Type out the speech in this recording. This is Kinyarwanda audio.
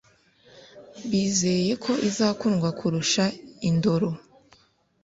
bizeye ko izakundwa kurusha “Indoro”